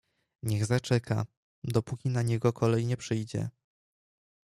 "Niech zaczeka, dopóki na niego kolej nie przyjdzie."